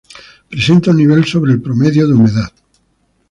Presenta un nivel sobre el promedio de humedad.